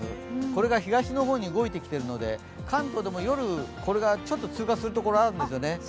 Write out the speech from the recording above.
これが東の方に動いてきているので、関東でも夜、これがちょっと通過する所があるんですよね。